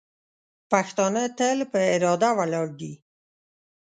پښتانه تل په اراده ولاړ دي.